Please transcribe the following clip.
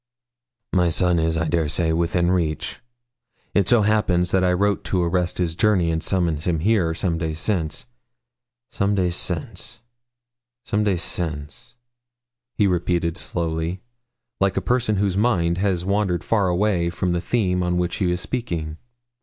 'My son is, I dare say, within reach. It so happens that I wrote to arrest his journey, and summon him here, some days since some days since some days since,' he repeated slowly, like a person whose mind has wandered far away from the theme on which he is speaking.